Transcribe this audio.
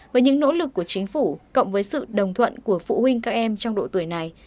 với những nỗ lực của chính phủ cộng với sự đồng thuận của phụ huynh các em trong độ tuổi này